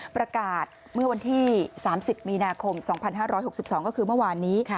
ประกาศเมื่อวันที่๓๐มีนาคม๒๕๖๒ก็คือเมื่อวานนี้